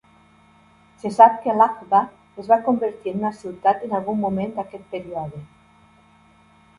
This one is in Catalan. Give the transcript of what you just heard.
Se sap que Lakhva es va convertir en una ciutat en algun moment d'aquest període.